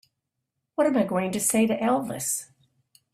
What am I going to say to Elvis?